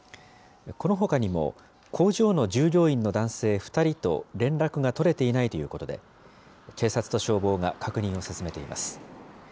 このほかにも、工場の従業員の男性２人と連絡が取れていないということで、警察と消防が確認を進めています。